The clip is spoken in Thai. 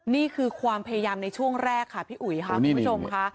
นี่คือความพยายามในช่วงแรกค่ะพี่อุ๋ยค่ะคุณผู้ชมค่ะ